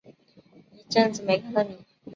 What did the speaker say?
一阵子没看到妳